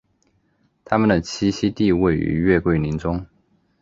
它们的栖息地位于月桂林中。